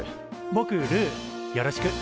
ぼくルーよろしく。